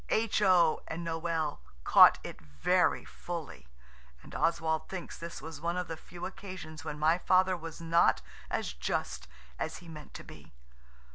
H.O. and Noël caught it very fully; and Oswald thinks this was one of the few occasions when my Father was not as just as he meant to be.